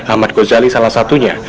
ahmad gozali salah satunya